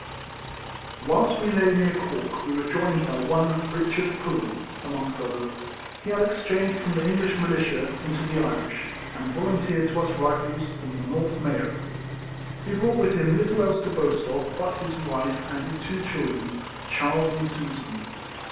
Whilst we lay near Cork we were joined by one Richard Pullen, amongst others; he had exchanged from the English militia in ,to the Irish, and volunteered to us Rifles from the North Mayo. He brought with him little else to boast of but his wife and his two children, Charles and Susan.